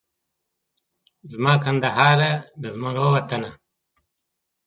زما کندهاره د زمرو وطنه